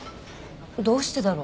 どうしてだろう？